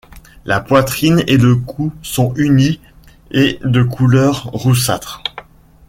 La poitrine et le cou sont unis et de couleur roussâtre.